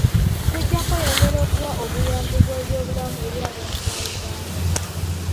Tujja kweyongera okuwa obuyambi bw'ebyobulamu eri abantu ba Uganda.